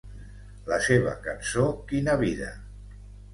La seva cançó Quina vida!